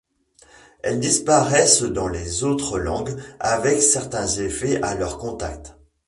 Elles disparaissent dans les autres langues, avec certains effets à leur contact.